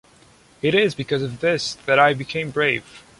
It is because of this that I became brave!